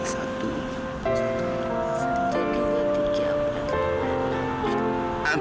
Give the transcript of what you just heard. satu dua tiga empat lima lima